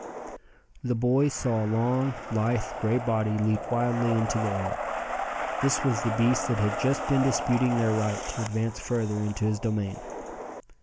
The boys saw a long, lithe, gray body leap wildly into the air. This was the beast that had just been disputing their right to advance further into his domain.